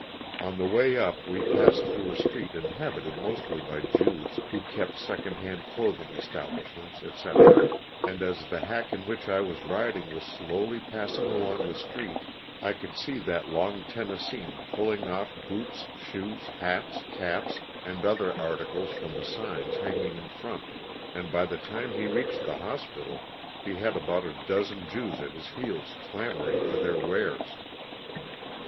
On the way up we passed through a street inhabited mostly by Jews, who kept second hand clothing estab lishments, etc., and as the hack in which I was riding was slowly passing along the street I could see that long Tennesseean pulling off boots, shoes, hats, caps and other articles from the signs hanging in front, and by the time he reached the hospital he had about a dozen Jews at his heels clamoring for their wares.